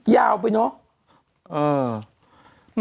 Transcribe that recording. ยาวไปเนอะ